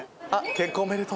「結婚おめでとう‼」